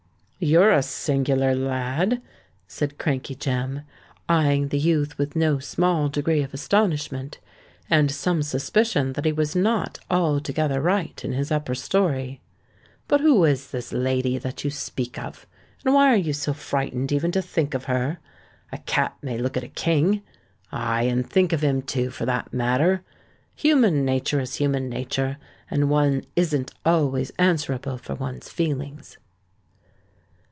"You're a singular lad," said Crankey Jem, eyeing the youth with no small degree of astonishment, and some suspicion that he was not altogether right in his upper storey. "But who is this lady that you speak of? and why are you so frightened even to think of her? A cat may look at a king—aye, and think of him too, for that matter. Human nature is human nature; and one isn't always answerable for one's feelings."